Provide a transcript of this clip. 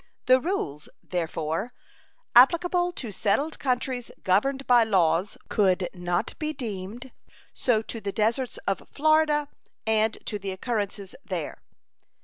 The rules, therefore, applicable to settled countries governed by laws could not be deemed so to the deserts of Florida and to the occurrences there.